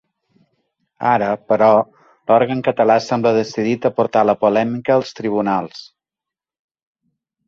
Ara, però, l’òrgan català sembla decidit a portar la polèmica als tribunals.